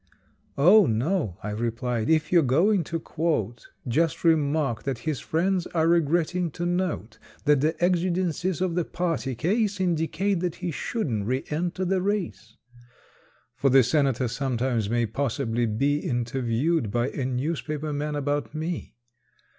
"Oh, no," I replied, "if you're going to quote, Just remark that his friends are regretting to note That the exigencies of the party case Indicate that he shouldn't re enter the race." For the senator sometime may possibly be Interviewed by a newspaper man about me.